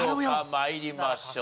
参りましょう。